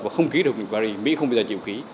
và không ký được mỹ không bao giờ chịu khí